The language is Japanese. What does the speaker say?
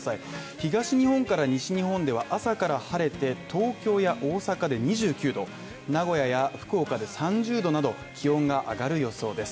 東日本から西日本では朝から晴れて東京や大阪で２９℃、名古屋や福岡で３０℃など、気温が上がる予想です。